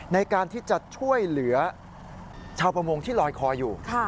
ในการที่จะช่วยเหลือชาวประมงที่ลอยคออยู่